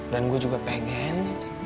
dan gue juga pengen